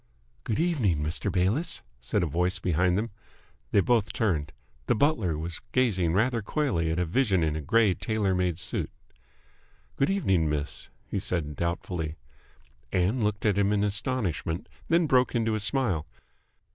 "Good evening, Mr. Bayliss," said a voice behind them. They both turned. The butler was gazing rather coyly at a vision in a grey tailor made suit. "Good evening, miss," he said doubtfully. Ann looked at him in astonishment, then broke into a smile.